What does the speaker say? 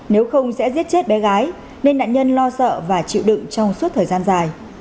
nếu không sẽ giết chết bé gái nên nạn nhân lo sợ và chịu đựng trong suốt thời gian dài